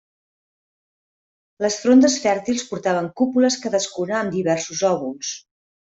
Les frondes fèrtils portaven cúpules cadascuna amb diversos òvuls.